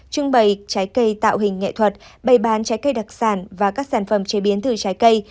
trưng bày trái cây tạo hình nghệ thuật bày bán trái cây đặc sản và các sản phẩm chế biến từ trái cây